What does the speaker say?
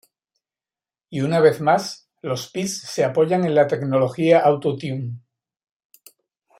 Y una vez más los peas se apoyan de la tecnología Auto-Tune.